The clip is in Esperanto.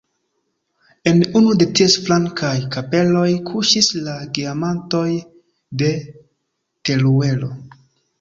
En unu de ties flankaj kapeloj kuŝis la Geamantoj de Teruelo.